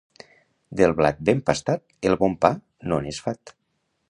Del blat ben pastat, el bon pa no n'és fat.